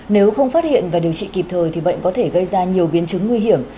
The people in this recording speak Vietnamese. nếu không phát hiện và điều trị kịp thời thì bệnh có thể gây ra nhiều biến chứng nguy hiểm